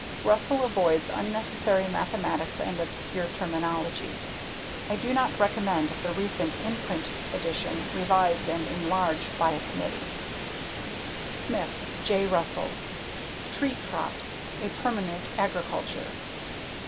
Russell avoids unnecessary mathematics and obscure terminology. I do not recommend the recent in print edition, revised and enlarged by a committee. Smith, J. Russell. Tree Crops: a Permanent Agriculture.